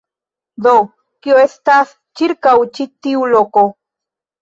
Do, kio estas ĉirkaŭ ĉi tiu loko?